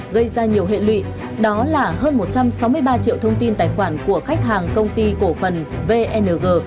gây ra nhiều hệ lụy đó là hơn một trăm sáu mươi ba triệu thông tin tài khoản của khách hàng công ty cổ phần vn